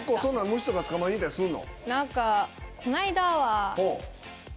虫とか捕まえに行ったりするの？